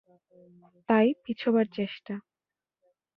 তাই পিছোবার চেষ্টা।